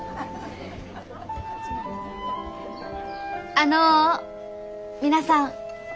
あの皆さん。